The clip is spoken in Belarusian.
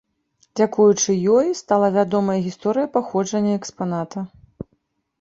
Дзякуючы ёй, стала вядомая гісторыя паходжання экспаната.